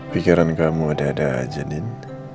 pikiran kamu ada ada aja din